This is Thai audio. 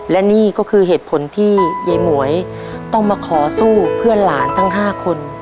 และนี่ก็คือเหตุผลที่ยายหมวยต้องมาขอสู้เพื่อนหลานทั้ง๕คน